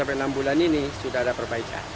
ini sudah ada perbaikan